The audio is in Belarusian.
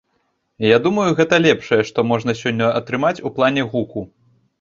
Я думаю, гэта лепшае, што можна сёння атрымаць у плане гуку.